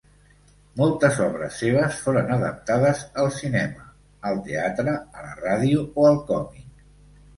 Moltes obres seves foren adaptades al cinema, al teatre, a la ràdio o al còmic.